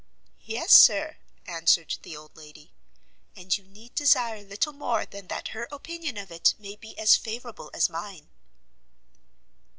"Yes, Sir," answered the old lady, "and you need desire little more than that her opinion of it may be as favourable as mine."